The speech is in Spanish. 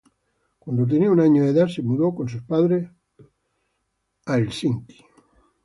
Cuando tenía un año de edad se mudó con sus padres a Inglaterra.